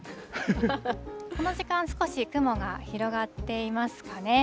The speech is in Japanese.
この時間、少し雲が広がっていますかね。